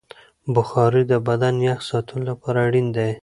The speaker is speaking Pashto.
بخار د بدن یخ ساتلو لپاره اړین دی.